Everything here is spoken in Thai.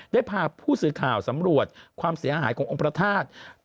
ได้พาผู้สื่อข่าวสำรวจความเสียหายขององค์พระธาตุ